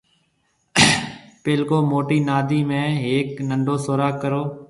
پيلڪو موٽِي نادِي ۾ ھيَََڪ ننڊو سوراخ ڪرو